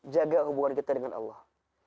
jaga hubungan kita dengan allah